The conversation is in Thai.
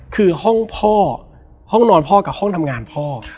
คือห้องพ่อห้องนอนพ่อกับห้องทำงานพ่อ